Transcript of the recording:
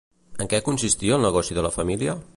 En què consistia el negoci de la família?